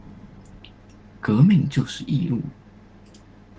革命就是義務